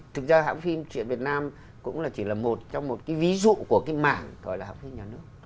thực ra hãng phim truyện việt nam cũng chỉ là một trong một ví dụ của mạng gọi là hãng phim nhà nước